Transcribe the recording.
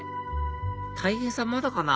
たい平さんまだかな？